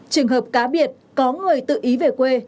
trường hợp cá biệt có người tự ý về quê